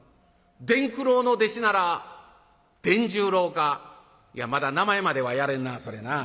「伝九郎の弟子なら伝十郎かいやまだ名前まではやれんなそれな。